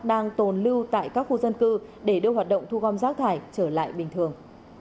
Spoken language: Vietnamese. đang tồn lưu tại các khu dân cư để đưa hoạt động thu gom rác thải trở lại bình thường